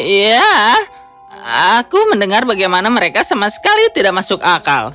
ya aku mendengar bagaimana mereka sama sekali tidak masuk akal